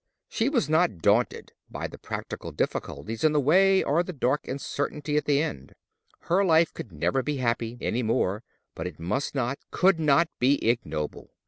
She was not daunted by the practical difficulties in the way or the dark uncertainty at the end. Her life could never be happy any more, but it must not, could not, be ignoble.